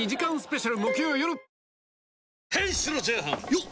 よっ！